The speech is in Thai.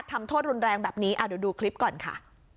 ทำโทษรุนแรงแบบนี้เดี๋ยวดูคลิปก่อนค่ะ